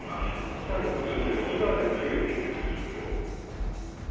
さらに打ち寄せる場所が増えてきているという状況。